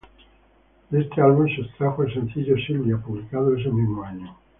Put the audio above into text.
De este álbum se extrajo el sencillo "Sylvia" publicado ese mismo año.